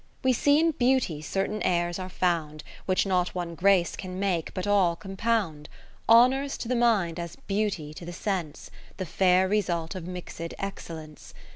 We see in Beauty certain airs are found, Which not one grace can make, but all compound. Honour 's to th' mind as Beauty to the sense. The fair result of mixed excellence.